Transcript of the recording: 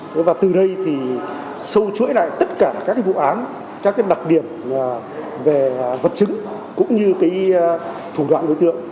thế và từ đây thì sâu chuỗi lại tất cả các cái vụ án các cái đặc điểm về vật chứng cũng như cái thủ đoạn đối tượng